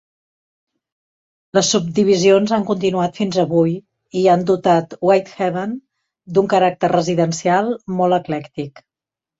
Les subdivisions han continuat fins avui i han dotat Whitehaven d'un caràcter residencial molt eclèctic.